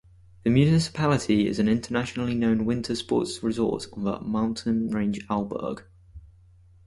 The municipality is an internationally known winter sports resort on the mountain range Arlberg.